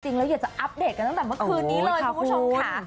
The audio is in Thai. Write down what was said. เราอยากจะอัปเดตกันตั้งแต่เมื่อคืนนี้เลยคุณผู้ชมค่ะ